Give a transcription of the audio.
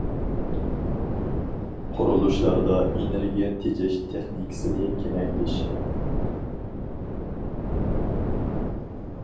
قۇرۇلۇشلاردا ئېنېرگىيە تېجەش تېخنىكىسىنى كېڭەيتىش.